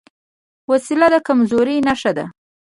وسله د کمزورۍ نښه ده